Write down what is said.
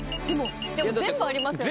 でも全部ありますよね。